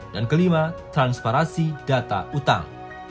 dan kelima transparansi data utang